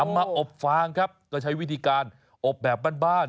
มาอบฟางครับก็ใช้วิธีการอบแบบบ้าน